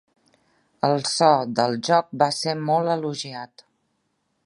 El so del joc va ser molt elogiat.